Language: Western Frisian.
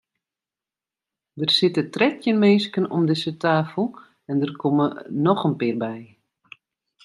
Der sitte trettjin minsken om dizze tafel en der komme noch in pear by.